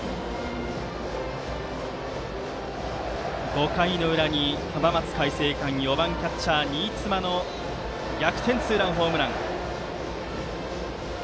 ５回の裏に浜松開誠館、４番キャッチャーの新妻の逆転ツーランホームラン。